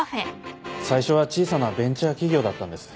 最初は小さなベンチャー企業だったんです。